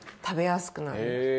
食べやすくなる。